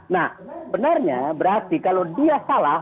nah benarnya berarti kalau dia salah